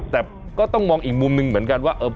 แต่ก็ต้องมองอีกมุมหนึ่งเหมือนกันว่า